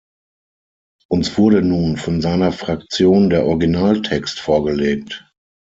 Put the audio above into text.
Uns wurde nun von seiner Fraktion der Originaltext vorgelegt.